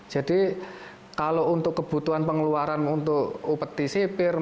jadi kalau untuk kebutuhan pengeluaran untuk upati sipir